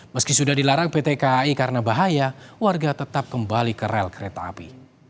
meski sudah dilarang pt kai karena bahaya warga tetap kembali ke rel kereta api